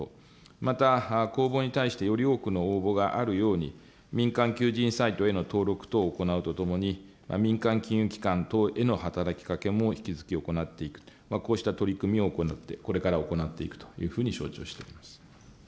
また公募に対してより多くの応募があるように、民間求人サイトへの登録等を行うとともに、民間金融機関等への働きかけも引き続き行っていく、こうした取り組みを行って、これから行っていくというふうに承知をしております。